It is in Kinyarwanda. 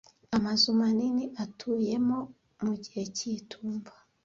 amazu manini atuyemo mu gihe cy'itumba